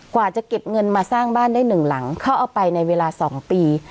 กว่าจะเก็บเงินมาสร้างบ้านได้หนึ่งหลังเขาเอาไปในเวลา๒ปี